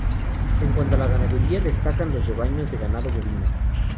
En cuanto a la ganadería, destacan los rebaños de ganado bovino.